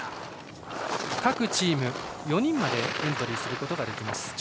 各チーム４人までエントリーすることができます。